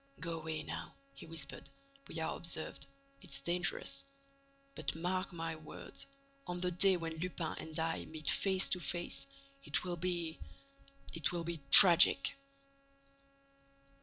"Go away, now," he whispered, "we are observed. It's dangerous. But mark my words: on the day when Lupin and I meet face to face, it will be—it will be tragic."